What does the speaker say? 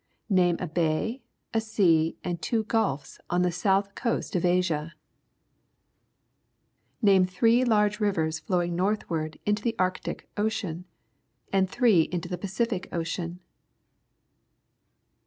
Name a bay, a sea, and two gulfs on the south coast of Asia. Name three large rivers flowing northward into the Arctic Ocean, and three into the Pacific Ocean.